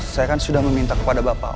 saya kan sudah meminta kepada bapak